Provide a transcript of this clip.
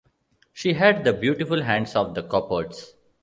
She had the beautiful hands of the Coppards.